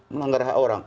melanggar hak orang